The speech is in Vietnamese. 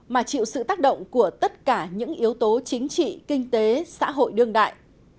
mà chịu sự tác động của tất cả những yếu tố chính trị kinh tế xã hội đương đại